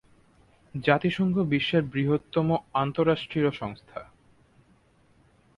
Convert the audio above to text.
জাতিসংঘ বিশ্বের বৃহত্তম আন্তঃরাষ্ট্রীয় সংস্থা।